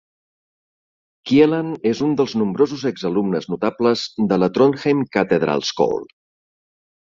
Kielland és un dels nombrosos exalumnes notables de la Trondheim Katedralskole.